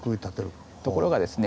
ところがですね